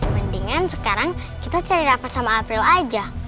mendingan sekarang kita cari rapat sama april aja